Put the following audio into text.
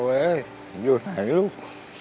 อย่ายอดแห่งลูก